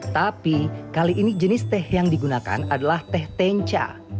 tapi kali ini jenis teh yang digunakan adalah teh tenca